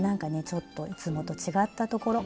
ちょっといつもと違ったところ。